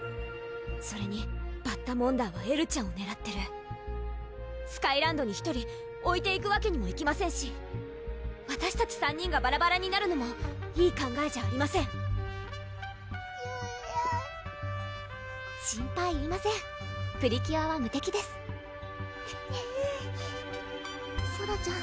それにバッタモンダーはエルちゃんをねらってるスカイランドに１人おいていくわけにもいきませんしわたしたち３人がばらばらになるのもいい考えじゃありませんソラ心配いりませんプリキュアは無敵ですえるぅソラちゃん